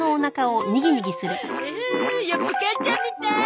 アハやっぱ母ちゃんみたい。